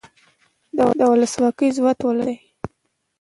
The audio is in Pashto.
د ولسواکۍ ځواک ولس دی